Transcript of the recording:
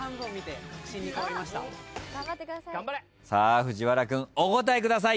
藤原君お答えください。